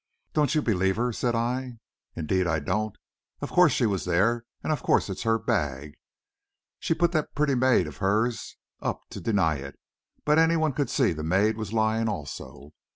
"Don't you believe her?" said I. "Indeed I don't. Of course she was there, and of course it's her bag. She put that pretty maid of hers up to deny it, but any one could see the maid was lying, also."